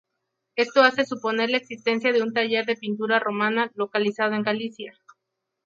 Esto hace suponer la existencia de un taller de pintura romana localizado en Galicia.